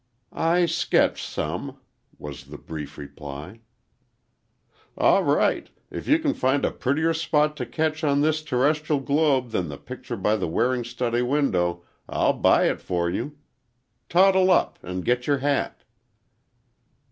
"I sketch some," was the brief reply. "All right; if you can find a prettier spot to sketch on this terrestrial globe than the picture by the Waring study window, I'll buy it for you! Toddle up and get your hat."